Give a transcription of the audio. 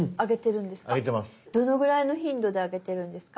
どのぐらいの頻度であげてるんですか？